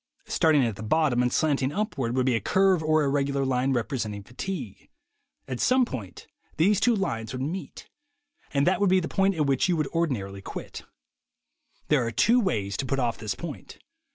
Starting at the bottom and slanting up ward, would be a curve or irregular line represent ing fatigue. At some point these two lines would meet; and that would be the point at which you would ordinarily quit. There are two ways to put off this point.